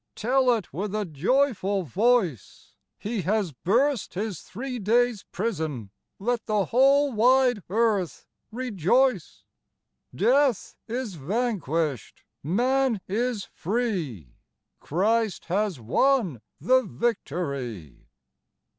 Tell it with a joyful voice : He has burst His three days' prison ; Let the whole wide earth rejoice ; Death is vanquished, man is free : Christ has won the victory.